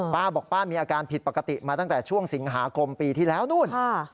ป้าบอกป้ามีอาการผิดปกติมาตั้งแต่ช่วงสิงหาคมปีที่แล้วนู่น